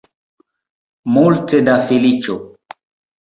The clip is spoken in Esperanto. Multe da feliĉo.